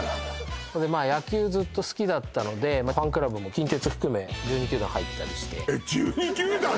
それでまあ野球ずっと好きだったのでファンクラブも近鉄含め１２球団入ったりしてえっ！？